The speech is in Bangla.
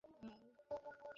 বেশ ভালো আছি।